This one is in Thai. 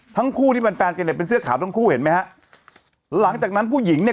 ทั้งคู่ที่มันแฟนกระเน็ตเป็นเสื้อขาวทั้งคู่เห็นไหมฮะหลังจากนั้นผู้หญิงเนี้ย